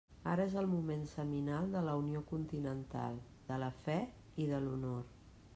Ara és el moment seminal de la unió continental, de la fe i de l'honor.